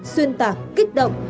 xuyên tạc kích động